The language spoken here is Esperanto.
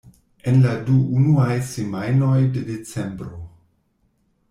En la du unuaj semajnoj de Decembro.